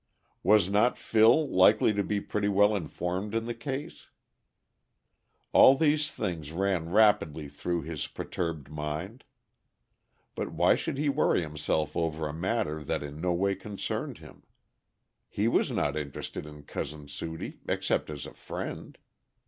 Was not Phil likely to be pretty well informed in the case? All these things ran rapidly through his perturbed mind. But why should he worry himself over a matter that in no way concerned him? He was not interested in Cousin Sudie except as a friend.